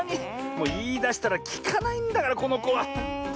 もういいだしたらきかないんだからこのこは。